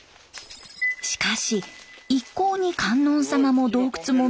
しかし一向に観音さまも洞窟も見えません。